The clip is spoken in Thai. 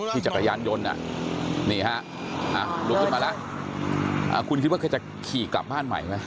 จักรยานยนต์นี่ฮะลุกขึ้นมาแล้วคุณคิดว่าแกจะขี่กลับบ้านใหม่ไหม